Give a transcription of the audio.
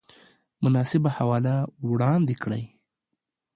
مناسبه حواله وړاندې کړئ